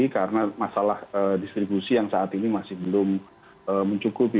karena masalah distribusi yang saat ini masih belum mencukupi